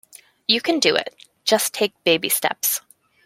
You can do it. Just take baby steps.